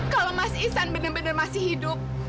kalau mas isan benar benar masih hidup